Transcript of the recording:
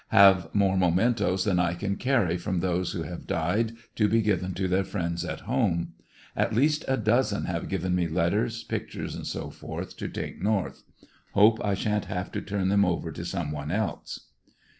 Have more mementoes than I can carry, from those who have died, to be given to their friends at home. At least a dozen have given me letters, pictures &c., to take North. Hope I shan't have to turn them over to some one else.